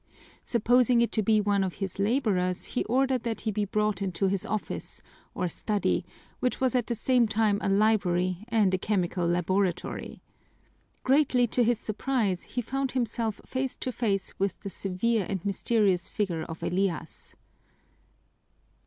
Supposing it to be one of his laborers, he ordered that he be brought into his office, or study, which was at the same time a library and a chemical laboratory. Greatly to his surprise he found himself face to face with the severe and mysterious figure of Elias.